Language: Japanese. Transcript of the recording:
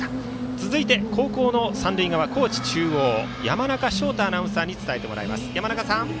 続いて、後攻の高知中央三塁側の山中翔太アナウンサーに伝えてもらいます。